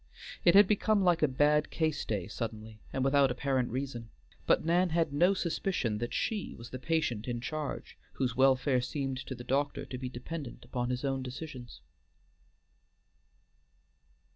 It had become like a bad case day suddenly and without apparent reason; but Nan had no suspicion that she was the patient in charge whose welfare seemed to the doctor to be dependent upon his own decisions.